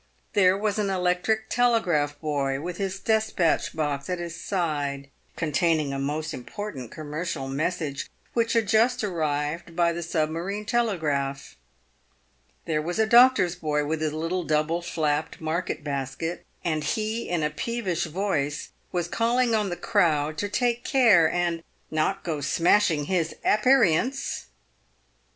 There was an electric telegraph boy with his despatch box at his side, con taining a most important commercial message, which had just arrived by the sub marine telegraph. There was a doctor's boy, with his little double flapped market basket, and he in a peevish voice was calling on the crowd to take care and " not go smashing his aperients."